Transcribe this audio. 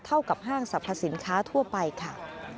เท่ากับห้างสรรพสินค้าทั่วไปค่ะ